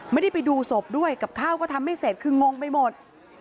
ไม่ได้ไปดูศพด้วยกับข้าวก็ทำไม่เสร็จคืองงไปหมด